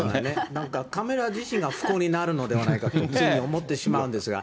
なんかカミラ自身が不幸になるのではないかと、つい思ってしまうんですが。